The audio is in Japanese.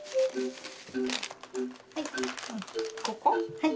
はい。